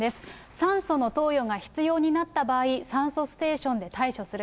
酸素の投与が必要になった場合、酸素ステーションで対処する。